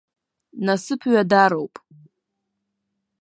Насыԥ ҩадароуп.